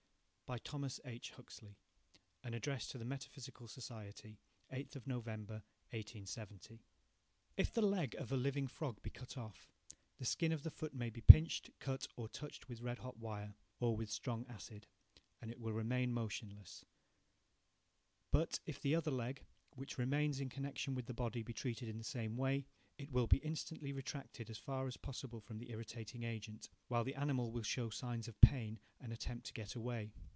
T. H. Huxley Metaphysical Society (8 November, 1870) If the leg of a living frog be cut off, the skin of the foot may be pinched, cut, or touched with red hot wire, or with a strong acid, and it will remain motionless. But, if the other leg, which remains in connection with the body, be treated in the same way, it will be instantly retracted as far as possible from the irritating agent, while the animal will show signs of pain, and attempt to get away.